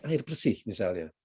air bersih misalnya